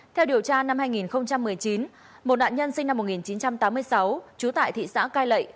theo điều tra năm hai nghìn một mươi chín một nạn nhân sinh năm một nghìn chín trăm tám mươi sáu trú tại thị xã cai lậy